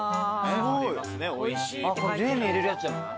これ冷麺入れるやつじゃない？